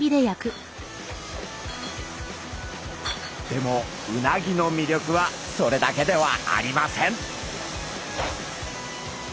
でもうなぎのみりょくはそれだけではありません。